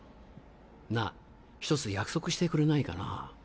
なぁ１つ約束してくれないかな。